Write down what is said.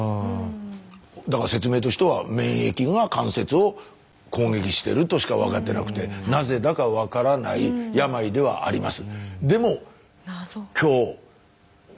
説明としては免疫が関節を攻撃してるとしか分かってなくてなぜだか分からない病ではあります。